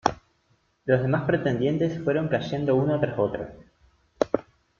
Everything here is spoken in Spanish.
Los demás pretendientes fueron cayendo uno tras otro.